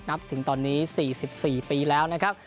ถึงตอนนี้๔๔ปีแล้วนะครับ